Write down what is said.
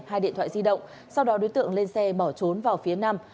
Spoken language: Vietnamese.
hai điện thoại di động sau đó đối tượng lên xe bỏ trốn vào phía nam